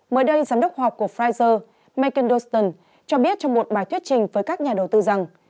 mới đây giám đốc học của pfizer megan dawson cho biết trong một bài thuyết trình với các nhà đầu tư rằng